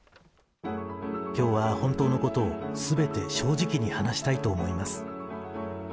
きょうは本当のことをすべて正直に話したいと思います。